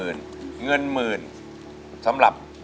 แต่เงินมีไหม